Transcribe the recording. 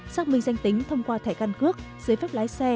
xác minh danh tính thông qua thẻ căn cước giấy phép lái xe